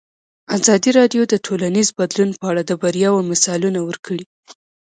ازادي راډیو د ټولنیز بدلون په اړه د بریاوو مثالونه ورکړي.